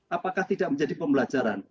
apakah tidak menjadi pembelajaran